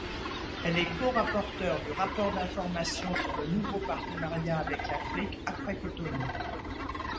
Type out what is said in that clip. Elle est co-rapporteur du rapport d'information sur le nouveau partenariat avec l’Afrique après Cotonou.